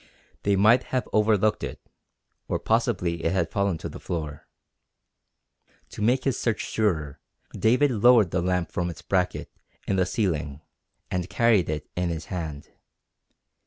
They might have overlooked it, or possibly it had fallen to the floor. To make his search surer David lowered the lamp from its bracket in the ceiling and carried it in his hand.